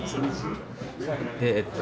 でえっと